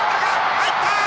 入った！